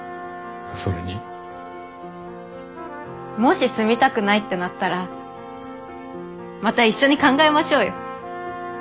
もし住みたくないってなったらまた一緒に考えましょうよ。